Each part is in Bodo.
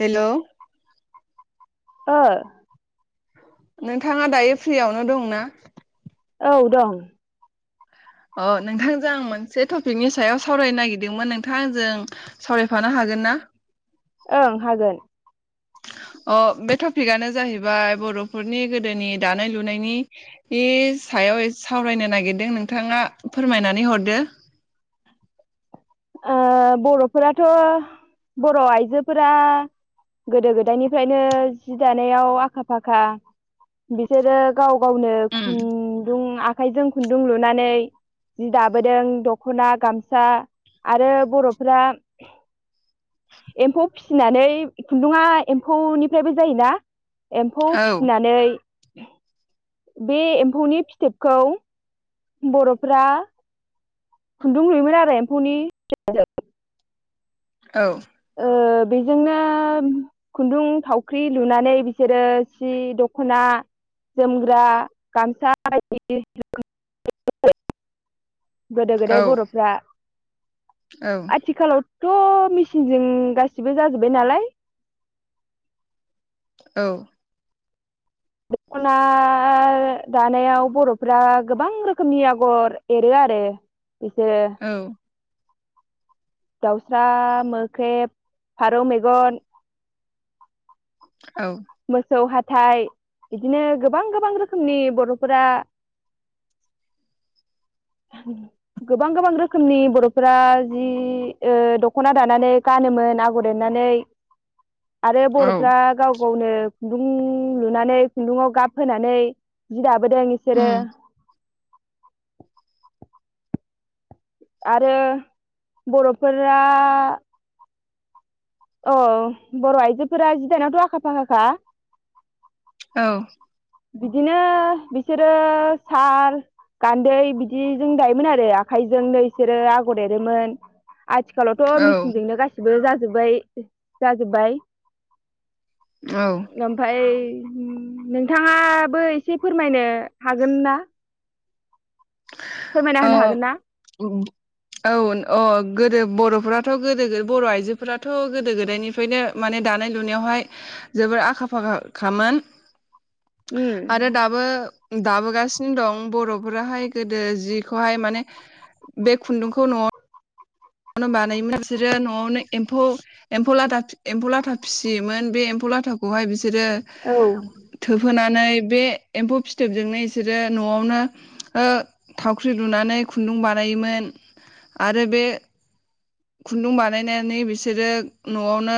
हेलौ हो नोंथांङा दायो फ्रियावनो दंना? औ दं। अ नोंथांजों आं मोनसे टपिकनि सायाव सावरायनो नागिरदोंमोन नोंथांंजों सावरायफानो हागोन। हागोन ना? ओं हागोन। [inaudible] अ बे टपिकआनो जाहैबाय बर'फोरनि गोदोनि दानाय लुनायनि इ सायाव सावरायनो नागिरदों नोंथांङा फोरमायनानै हरदो। ओ बर'फोराथ' बर' आइजोफोरा। गोदो गोदायनिफ्रायनो जि दानायाव आखा फाखा बिसोरो गाव गावनो उम खुन्दुं आखाइजों खुन्दुं लुनानै जि दाबोदों दख'ना गामसा। आरो बर'फोरा एम्फौ फिसिनानै खुन्दुङा एम्फौनिफ्रायबो जायोना एम्फौ औ फिनानै बे एम्फौनि फिथोबखौ बर'फ्रा खुन्दुं लुयोमोन आरो एम्फौनि औ ओ बेजोंनो खुन्दुं थावख्रि लुनानै बिसोरो सि दख'ना जोमग्रा गामसा [unintelligible] [inaudible] गोदो गोदाय औ बर'फ्रा औ आथिखालावथ' मि- -सिनजों गासिबो जाजोबबाय नालाय औ [inaudible] दखना दानायाव बर'फ्रा गोबां रोखोमनि आगर एरो आरो एसे औ दाउस्रा मोख्रेब फारौ मेगन औ मोसौ हाथाइ बिदिनो गोबां गोबां रोखोमनि बर'फोरा उ गोबां गोबां रोखोमनि बर'फोरा जि ओ दख'ना दानानै गान- होनो आगर एरनानै [inaudible] आरो औ बर'फ्रा गाव गावनो खुन्दुं लुनानै खुन्दुङाव गाब होनानै जि दाबोदों इसोरो उम आरो बर'फोरा औ बर' आइजोफोरा जिदानायावथ' आखा फाखाखा औ बिदिनो बिसोरो साल गान्दै बिदिजों दायोमोन आरो आखाइजोंनो बिसोरो आगर एरोमोन आथिखालावथ' औ मेसिनजोंनो गासिबो जाजोब्बाय जाजोब्बाय ओमफ्राय नों नोंथाङाबो एसे फोरमायनो हागोन ना फोरमायना अ होनो हागोन ना औ अ गोदो बर'फोराथ' गोदो बर' आइजोफोराथ' गोदो गोदायनिफ्रायनो माने दानाय लुनायावहाय जोबोर आखा फाखाखामोन आरो उम दाबो दाबोगासिनो दं बर'फोराहाय गोदो जिखौहाय माने बे खुन्दुंखौ न'आव नो बानायोमोन बिसोरो न'आवनो एम्फौ एम्फौ लाथा एम्फौ लाथा फिसियोमोन बे एम्फौ लाथाखौहाय बिसोरो औ थोबहोना- -नै बे एम्फौ फिथोबजोंनो बिसोरो न'आवनो ओ‌ थावख्रि लुनानै खुन- -दुं बानायोमोन आरो बे खुन्दुं बानायनानै बिसोरो न'आवनो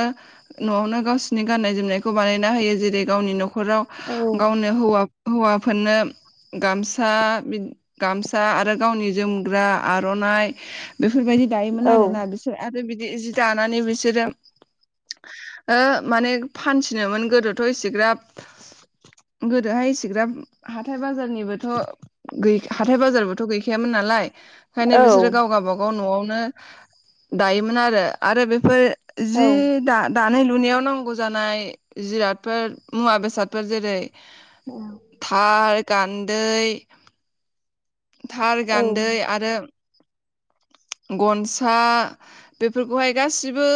न'आवनो गावसिनि गाननाय जोमनायखौ बानाय- -ना होयो जेरै गावनि न'खराव औ गावनो हौवाफोरनो गामसा गामसा आरो गावनि जोमग्रा आर'नाइ बे फोरबायदि दायोमोन औ आरोना बिसोर आरो बिदि जि दानानै बिसोरो ओ माने फानसिनोमोन गोदोथ' एसेग्राब गोदोहाय इसेग्राब हाथाय बाजारनिबोथ' हाथाय बाजारबोथ' गैखायामोन नालाय ओंखायनो बिसोरो गाव औ गाबागाव न'आवनो दायोमोन आरो आरो बेफोर औ जि दा दानाय लुनायावनो नांगौ जानाय जिरादफोर मुवा बेसादफोर जेरै थार गान्दै थार औ गान्दै आरो गनसा बेफोरखौहाय गासिबो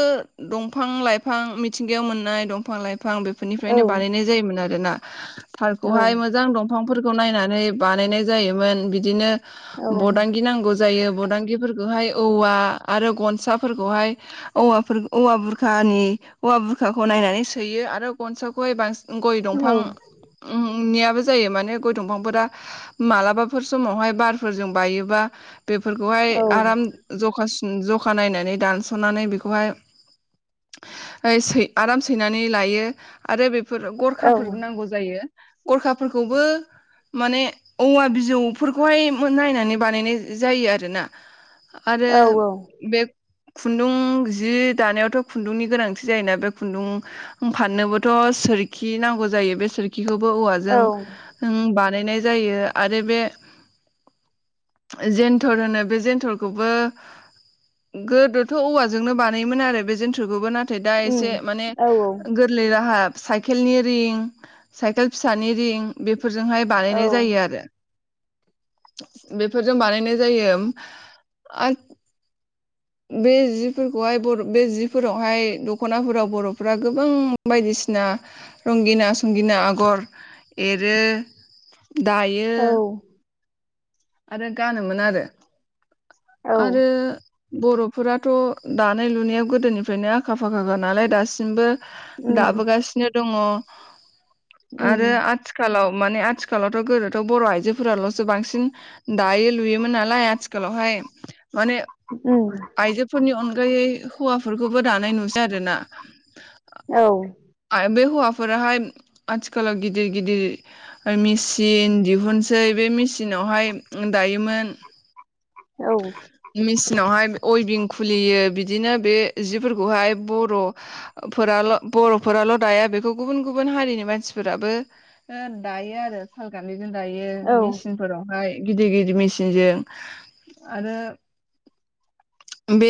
दंफां लाइफां मिथिंगायाव मोननाय दंफां लाइ फां बेफोरनिफ्रायनो बानायनाय जायोमोन आरोना थारखौहाय मोजां दंफांफोरखौ नायनानै बानायनाय जायोमोन बिदिनो बदांगि नांगौ जायो बदांगिफोरखौहाय औवा आरो गन साफोरखौहाय औफोर औवानि औवा बुरखाखौ नायनानै सोयो आरो साखौहाय बांसिन गय दंफां उम नियाबो जायो माने गय दंफांफोरा मालाबाफोर समावहाय बारफोरजों बायोबा बेफोरखौहाय आराम जखा सु जखा नायनानै दानस'नानै बेखौहाय ओइ सै आराम सैनानै लायो आरो बे फोर गरखाफोर नांगौ जायो गरखाफोरखौबो माने औवा बिजौफोरखौहाय नायनानै बानायनाय जायो आरोना आरो औ बे खुन्दुं जि दानायावथ' खुन्दुंनि गोनांथि जायोना बे खुन्दुं फाननोबोथ' सोरखि नांगौ जायो बे सोरखिखौबो औवाजों बानायनाय जायो आरो बे जेन्थोर होनो बे जेन्थोरखौबो गोदोथ' औवाजोंनो बानायोमोन आरो बे जेन्थोखौबो ना थाय दा उम एसे माने औ औ गोरलै राहा साइकेलनि रिं साइकेल फिसानि रिं बे फोरजोंहाय औ बानायनाय जायो आरो बेफोरजों बानायनाय जायो आ बे जिफोरखौहाय बर' बे जिफोरावहाय दख'नाफोराव बर'फोरा गोबां बायदि सिना रंगिना संगिना आगर एरो दायो आरो गानोमोन आरो औ आरो बर'फोराथ' दानाय लुनायाव गोदोनिफ्रायनो आखा फाखाखा नालाय दासिमबो उम दाबोगासिनो दङ उम आरो आथिखालाव माने आथिखालावथ' गोदोथ' बर' आइजोफोराल'सो बांसिन दायो लुयोमोन नालाय आथिखालावहाय माने उम आइजोफोरनि अनगायै हौवाफोरखौबो दानाय नुसै आरोना औ बे हौवाफोराहाय आथिखालाव गिदिर गिदिर मेचिन दिहुनसै बे मेचिन सिनावहाय दायोमोन औ उनावहाय अइभिं खुलियो बिदिनो बे जिफोरखौहाय बर'फोराल' बर'फोराल' दाया बेखौ गुबुन गुबुन हारिनि मानसिफोराबो दायो आरो सालगानदै दायो औ मेचिन फोरावहाय गिदिर गिदिर मेचिनजों आरो [inaudible] बे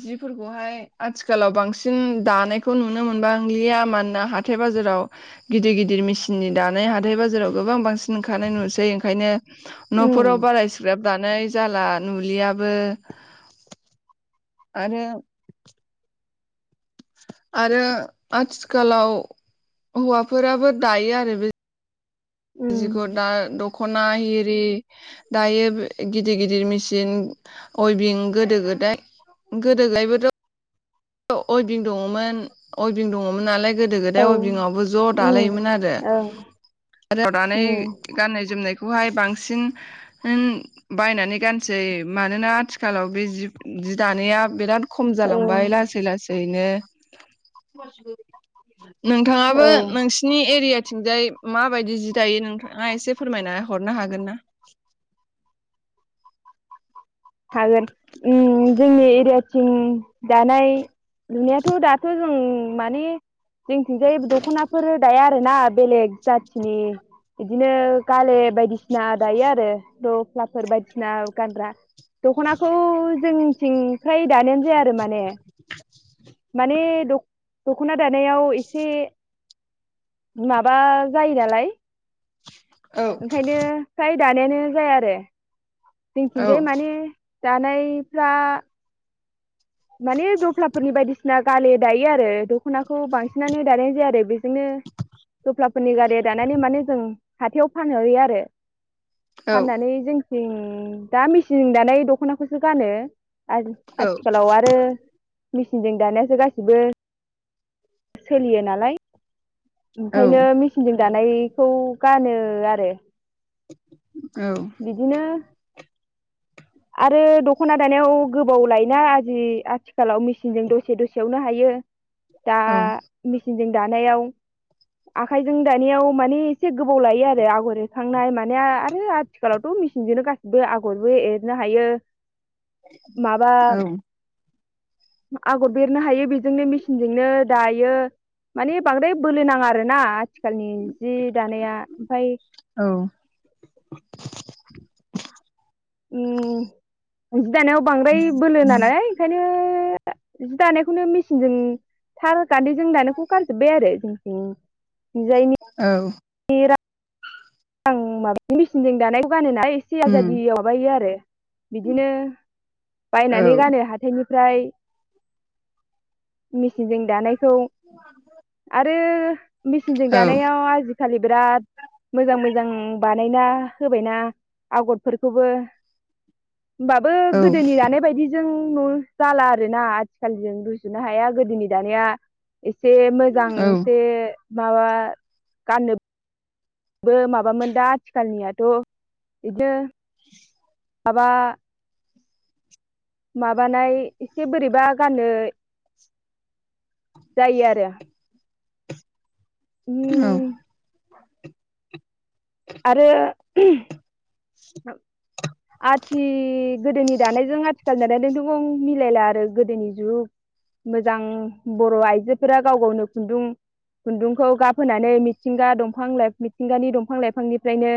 जिफोरखौहाय आथिखालाव बांसिन दानायखौ नुनो मोनबांलिया मानोना हाथाय बाजाराव गिदिर गिदिर मेसिननि दानाय हाथाय बाजाराव गोबां बांसि ओंखारनाय नुसै ओंखायनो उम न'फोराव बारा इसिग्राब दानाय जाला नुलियाबो आरो आरो आथिखालाव हौवाफोराबो दायो आरो बे उम जिखौ दा द ख'ना आरि दायो गिदिर गिदिर मेसिन अइभं गोदो गोद दाय गोदो गोदायबोथ' अइभिं दङमोन अइभिं दङमोन नालाय गोदो औ गोदाय अइभिङावबो ज' उम दालायोमोन आरो आरो ओं नानै गाननाय जोमनायखौहाय बां सिन बायनानै गानसै मानोना आथिखालाव बे जि जि दानाया बिराद खम उम जालांबाय औ लासै लासैनो नोंथाङाबो औ नोंसिनि एरिया थिंजाय माबायदि जि दायो नोंथाङा एसे फोरमायना हरनो हागोन ना? हागोन ओम जोंनि एरियाथिं दानाय लुनायाथ' दाथ' जों माने जोंथिंजाय दख'नाफोर दाया आरोना बेलेग जाथिनि बिदिनो गाले बायदिसिना दायो आरो द फ्लाफोर बायदिसिना गानग्रा दख'नाखौ जोंनिथिं फ्राय दानायानो जाया आरो माने माने दख दख'ना दानायाव एसे माबा जायो नालाय औ ओंखायनो फ्राय दानायानो जाया आरो जोंथिंजाय औ माने दानायफ्रा माने दफ्लाफोरनि बायदिसिना गालि दायो आरो दख'नाखौ बांसिनानो दानाय जाया आरो बेजोंनो दफ्ला- फोरनि गारिया दानानै माने जों हाथायाव फानहैयो आरो औ फाननानै जों- थिं दा मेचिन दानाय दख'नाखौसो गानो आजि औ आथिखालाव आरो मेचिनजों दानायासो गासिबो सोलियो नालाय औ ओंखायनो मेसिनजों दाना- नायखौ गानो आरो [inaudible] बिदिनो [inaudible] आरो दख'ना दानायाव गोबाव लायोना आजि आथिखालाव मेसिनजों दसे दसेयावनो हायो यो दा औ मेचिनजों दानायाव आखाइजों दानायाव माने एसे गोबाव लायो आरो आगर एरखांनाय माने आरो आथिखालावथ' मेसिनजोंनो गासिबो आगरबो एरनो हायो माबा औ आगर बेरनो हायो बेजोंनो मेचिनजोंनो दायो माने बांद्राय बोलो नाङा आरोना आथि- आथिखालनि जि दानाया ओमफाय औ उम जि दानायाव बांद्राय बोलो नालाय ओंखायनो जि दानायखौनो मेचिनजों थार गान्दैजों दानायखौ गारजोबबाय आरो जों द [unintelligible] औ [unintelligible] आं माबा मेसिनजों दानायखौ गानो नालाय एसे आजादि माबायो आरो बिदिनो बायनानै गानो हाथायनि फ्राय मिसिनजों दानाय- खौ आरो मेचिनजों दानायाव आजिखालि बिराद मोजां मोजां बानायना होबायना आगरफोरखौबो होमबाबो गोदोनि लानाय बायदिजों जाला आरो ना आथिखालजों रुजुनो हाया गोदोनि दानाया एसे मोजां औ एसे माबा गाननो बो माबामोन दा आथिखालनियाथ' बिदिनो माबा माबानाय एसे बोरैबा गाननो जायो आरो औ उम आरो आथि गोदोनि दानायजों आथिखालनि दानायदोंथ मिलायला आरो गोदोनि जुग मोजां बर' आइजोफोरा गाव गावनो खुन्दुं खुन्दुंखौ गाबहोनानै मिथिंगा दंफां लाइ मिथिंगानि दंफां लाइफांनिफ्रायनो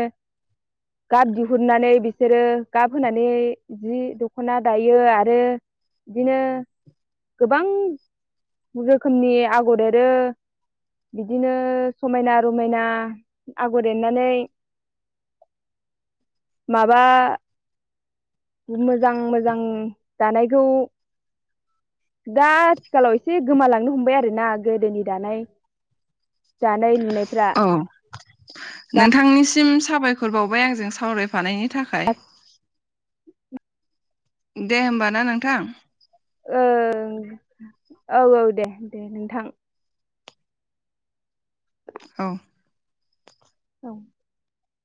गाब दि- हुननानै बिसोरो गाब होनानै जि दख'ना दायो आरो बिदिनो गोबां रोखोमनि आगर एरो बिदिनो समायना रमायना आगर एरनानै [inaudible] माबा मोजां मोजां दानायखौ दा आथिखालाव एसे गोमालांनो हमबाय आरोना गोदोनि दानाय दानाय लुनायफ्रा दा सिम साबायखर बावबाय आंजों सावरायफानायनि थाखाय [inaudible] दे होमबा ना नोंथां ओं औ औ दे दे नोंथां औ औ